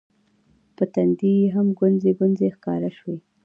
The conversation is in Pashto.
په تندي هم ګونځې ګونځې راښکاره شوې